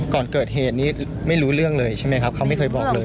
ก่อนเกิดเหตุนี้ไม่รู้เรื่องเลยใช่ไหมครับเขาไม่เคยบอกเลย